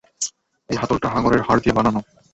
এই হাতলটা হাঙ্গরের হাড় দিয়ে বানানো।